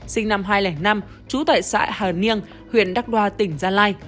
sinh năm hai nghìn năm chú tại xã hà niêng huyện đắk đoa tỉnh gia lai